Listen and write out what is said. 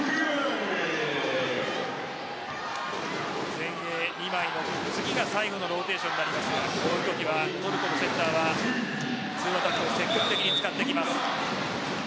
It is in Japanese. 前衛２枚の次が最後のローテーションになりますがそのとき、トルコのセッターはツーアタックを積極的に使ってきます。